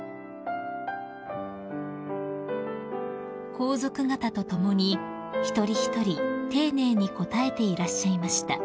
［皇族方と共に一人一人丁寧に応えていらっしゃいました］